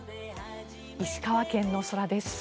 石川県の空です。